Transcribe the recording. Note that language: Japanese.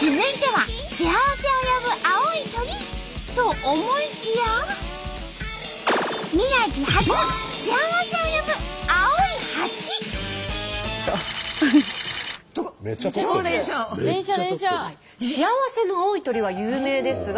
続いては幸せを呼ぶ青い鳥！と思いきや宮城発幸せを呼ぶ幸せの青い鳥は有名ですが。